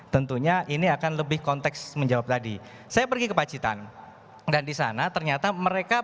tentunya ini akan lebih konteks menjawab tadi saya pergi ke pacitan dan di sana ternyata mereka